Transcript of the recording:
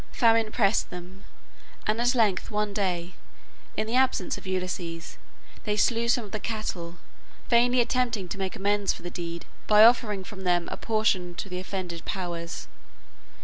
Famine pressed them, and at length one day, in the absence of Ulysses, they slew some of the cattle, vainly attempting to make amends for the deed by offering from them a portion to the offended powers.